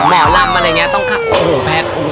หม่อลำอะไรอย่างเงี้ยโอ้โหแพ้กู